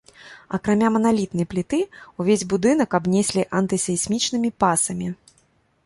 Акрамя маналітнай пліты, увесь будынак абнеслі антысейсмічнымі пасамі.